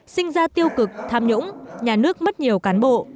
sinh ra tiêu cực tham nhũng nhà nước mất nhiều cán bộ